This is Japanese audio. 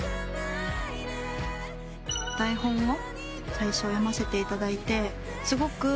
台本を最初読ませていただいてすごく。